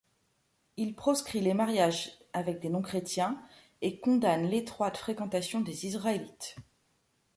Il proscrit les mariages avec des non-chrétiens et condamne l’étroite fréquentation des Israélites.